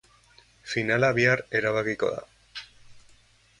Finala bihar erabakiko da.